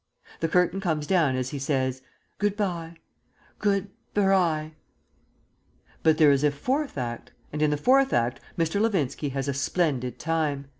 The curtain comes down as he says, "Good bye ... good ber eye." But there is a Fourth Act, and in the Fourth Act Mr. Levinski has a splendid time.